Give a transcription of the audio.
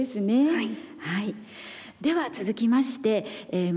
はい。